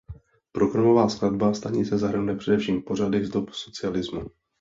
Programová skladba stanice zahrnuje především pořady z dob socialismu.